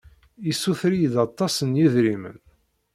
Yessuter-iyi-d aṭas n yedrimen.